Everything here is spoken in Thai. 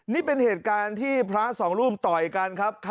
นี่เป็นเหตุการณ์ที่พระสองรูปต่อยกันครับ